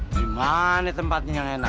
dimana tempatnya yang enak